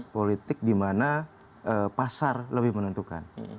politik dimana pasar lebih menentukan